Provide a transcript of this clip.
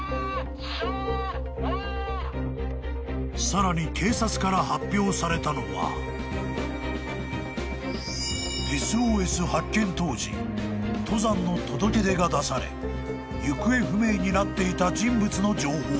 ［さらに警察から発表されたのはＳＯＳ発見当時登山の届け出が出され行方不明になっていた人物の情報］